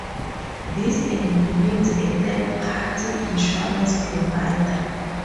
This eliminates a third-party insurance provider.